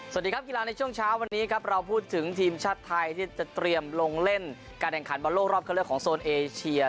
สวัสดีครับกีฬาในช่วงเช้าวันนี้ครับเราพูดถึงทีมชาติไทยที่จะเตรียมลงเล่นการแข่งขันบอลโลกรอบเข้าเลือกของโซนเอเชีย